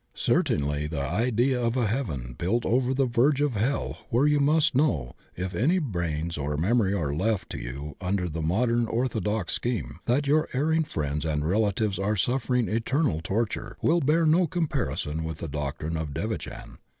Certainly the idea of a heaven built over the verge of hell where you must know, if any brains or memory are left to you under the modem orthodox scheme, that your erring friends and relatives are suffering eternal tor ture, will bear no comparison with the doctrine of devachan.